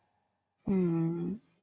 うん。